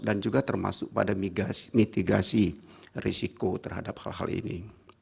dan juga termasuk pada mitigasi risiko terhadap hal hal ini